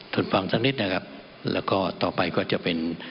ฟังสักนิดนะครับแล้วก็ต่อไปก็จะเป็น